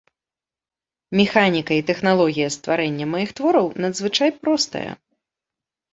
Механіка і тэхналогія стварэння маіх твораў надзвычай простая.